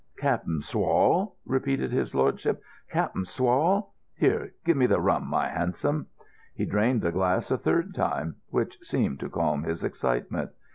"Cap'n Swall?" repeated his lordship. "Cap'n Swall? Here, give me the rum, my handsome." He drained the glass a third time, which seemed to calm his excitement.